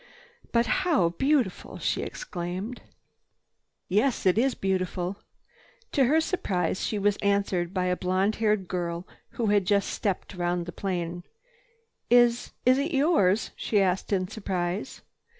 "But how beautiful!" she exclaimed. "Yes, it is beautiful." To her surprise, she was answered by a blonde haired girl who had just stepped round the plane. "Is—is it yours?" she asked in surprise.